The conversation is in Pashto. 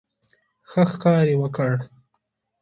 ښه ښکار یې وکړ.